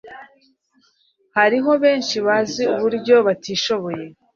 Hariho benshi bazi uburyo batishoboye